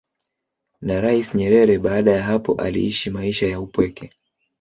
na Rais Nyerere baada ya hapo aliishi maisha ya upweke